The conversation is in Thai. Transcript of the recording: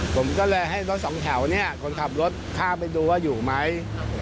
ผมก็เลยให้รถสองแถวเนี่ยคนขับรถข้ามไปดูว่าอยู่ไหม